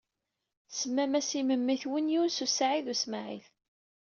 Tsemmam-as i memmi-twen Yunes u Saɛid u Smaɛil.